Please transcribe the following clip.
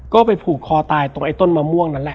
ก็ไปผูกคอตายตรงไอ้ต้นมะม่วงนั่นแหละ